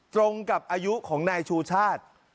ตรงกับอายุของนายชูชาติ